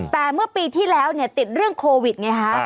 แต่เมื่อปีที่แล้วเนี่ยติดเรื่องโควิดไงฮะ